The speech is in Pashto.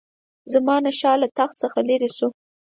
زمانشاه له تخت څخه لیري شو.